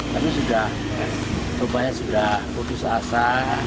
dia harusnya disidara tapi rupanya sudah putus asa